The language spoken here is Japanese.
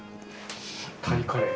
タイカレー？